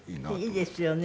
いいですよね。